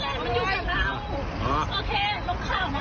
แล้วเมื่อกี้แลนด์มันอยู่ตรงเรา